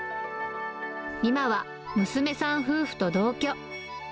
今は娘さん夫婦と同居。